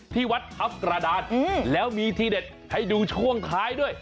ที่วัดทัพกระดานแล้วมีทีเด็ดให้ดูช่วงท้ายด้วย